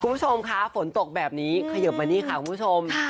คุณผู้ชมคะฝนตกแบบนี้เขยิบมานี่ค่ะคุณผู้ชม